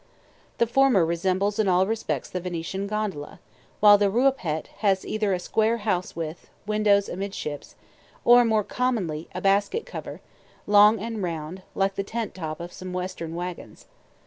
The former resembles in all respects the Venetian gondola, while the Rua pêt has either a square house with, windows amidships, or (more commonly) a basket cover, long and round, like the tent top of some Western wagons.